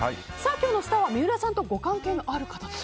今日のスターは三浦さんとご関係のある方と。